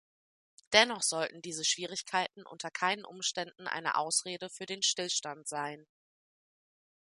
Dennoch sollten diese Schwierigkeiten unter keinen Umständen eine Ausrede für den Stillstand sein.